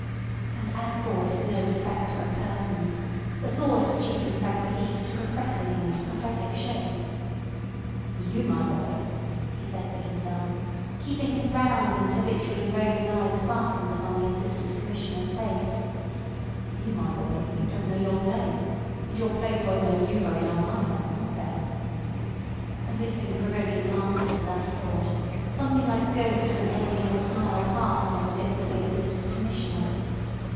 And as thought is no respecter of persons, the thought of Chief Inspector Heat took a threatening and prophetic shape. "You, my boy," he said to himself, keeping his round and habitually roving eyes fastened upon the Assistant Commissioner's face—"you, my boy, you don't know your place, and your place won't know you very long either, I bet." As if in provoking answer to that thought, something like the ghost of an amiable smile passed on the lips of the Assistant Commissioner.